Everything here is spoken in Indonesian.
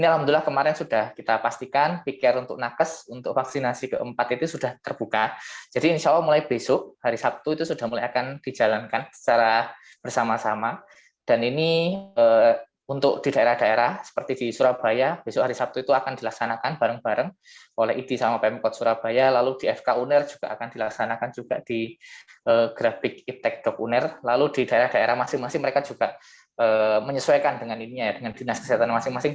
lalu di daerah daerah masing masing mereka juga menyesuaikan dengan dinas kesehatan masing masing